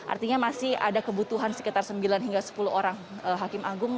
artinya masih ada kebutuhan sekitar sembilan hingga sepuluh orang hakim agung